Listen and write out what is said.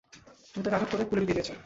তুমি তাকে আঘাত করে পুলে ডুবিয়ে দিয়েছো।